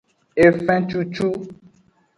Efencucu.